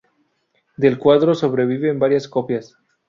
Del cuadro sobreviven varias copias.